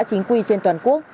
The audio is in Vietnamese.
chính quy trên toàn quốc